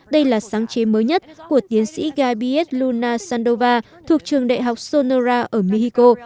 đây là sáng chế mới nhất của tiến sĩ gaby s luna sandova thuộc trường đại học sonora ở mexico